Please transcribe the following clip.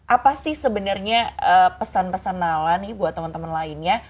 apa sih sebenernya pesan pesan nala nih buat temen temen lainnya